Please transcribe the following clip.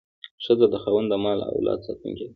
ښځه د خاوند د مال او اولاد ساتونکې ده.